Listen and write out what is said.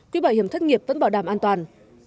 quỹ bảo hiểm thất nghiệp vẫn bảo đảm an toàn